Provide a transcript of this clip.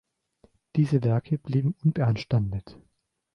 Diese Werke blieben unbeanstandet.